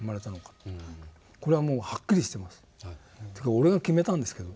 というか俺が決めたんですけど。